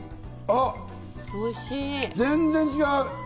あっ、全然違う！